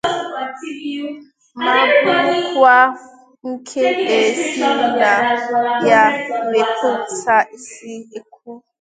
ma bụrụkwa nke e siri na ya wepụta isi okwu na-asị